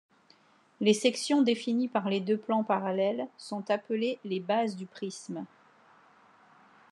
Les sections définies par les deux plans parallèles sont appelées les bases du prisme.